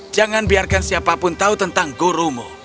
jangan biarkan siapapun tahu tentang gurumu